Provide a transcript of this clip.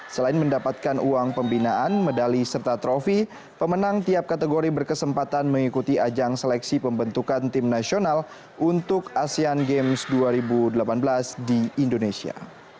selain mendapatkan uang pembinaan medali serta trofi pemenang tiap kategori berkesempatan mengikuti ajang seleksi pembentukan tim nasional untuk asean games dua ribu delapan belas di indonesia